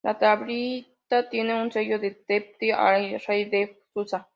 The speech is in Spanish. La tablilla tiene un sello de Tepti-Ahar, rey def Susa.